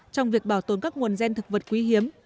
trong việc bảo tồn các nguồn gen thực vật quý hiếm